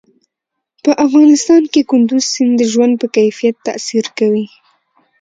په افغانستان کې کندز سیند د ژوند په کیفیت تاثیر کوي.